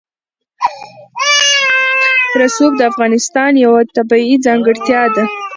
رسوب د افغانستان یوه طبیعي ځانګړتیا ده.